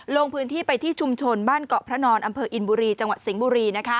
ลงพื้นที่ไปที่ชุมชนบ้านเกาะพระนอนอำเภออินบุรีจังหวัดสิงห์บุรี